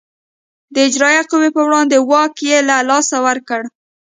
د اجرایه قوې پر وړاندې واک یې له لاسه ورکړ.